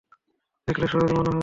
দেখলে সহজই মনে হয়।